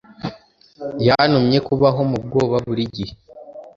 yantumye kubaho mu bwoba burigihe